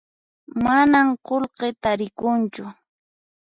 Manan qullqi tarikunchu